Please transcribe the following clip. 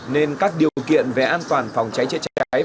nên các điều kiện về an toàn phòng cháy chữa cháy